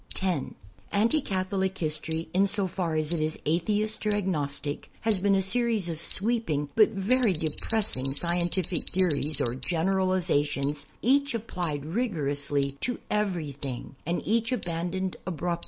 (10) Anti Catholic history, in so far as it is atheist or agnostic,, has been a series of sweeping but very depress ing scientific theories or generalizations, each applied rigorously to everything and each abandoned abrupt!